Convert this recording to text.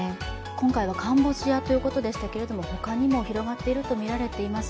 今回はカンボジアということでしたけれども、他にも広がっているとみられます。